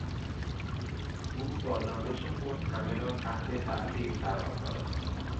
او با دانش خود همه را تحت تاثیر قرار داد.